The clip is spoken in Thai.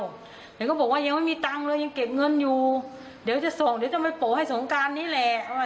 เดี๋ยวก็บอกว่ายังไม่มีตังค์เลยยังเก็บเงินอยู่เดี๋ยวจะส่งเดี๋ยวจะไปโปะให้สงการนี้แหละ